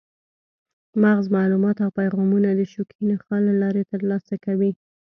مغز معلومات او پیغامونه د شوکي نخاع له لارې ترلاسه کوي.